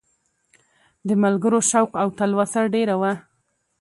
د ملګرو شوق او تلوسه ډېره وه.